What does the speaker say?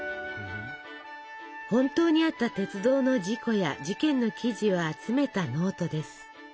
本当にあった鉄道の事故や事件の記事を集めたノートです。